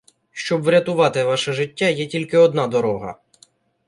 Щоб врятувати ваше життя є тільки одна дорога.